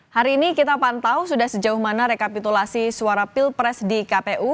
hari ini kita pantau sudah sejauh mana rekapitulasi suara pilpres di kpu